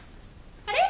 あれ？